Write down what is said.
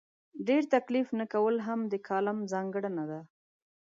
ډېر تکلف نه کول هم د کالم ځانګړنه ده.